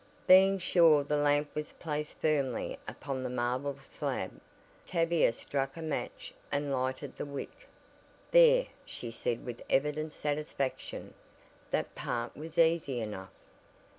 Being sure the lamp was placed firmly upon the marble slab, Tavia struck a match and lighted the wick. "There," she said with evident satisfaction, "that part was easy enough."